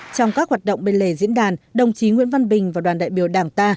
trong các hoạt động bên lề diễn đàn đồng chí nguyễn văn bình và đoàn đại biểu đảng ta